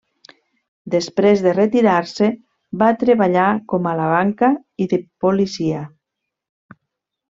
Després de retirar-se va treballar com a la banca i de policia.